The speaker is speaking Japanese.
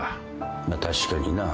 まっ確かにな